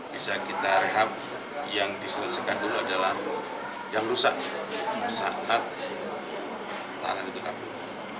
bisa kita rehab yang diselesaikan dulu adalah yang rusak saat tahanan itu kabur